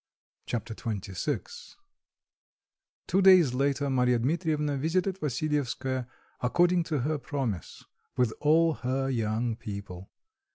Chapter XXVI Two days later, Marya Dmitrievna visited Vassilyevskoe according to her promise, with all her young people.